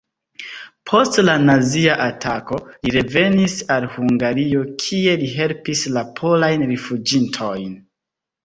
Post la nazia atako li revenis al Hungario, kie li helpis la polajn rifuĝintojn.